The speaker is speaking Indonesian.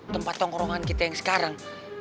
tempat tongkrongan kita yang sekarang